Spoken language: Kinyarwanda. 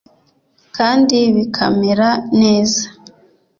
kandi bikamera neza.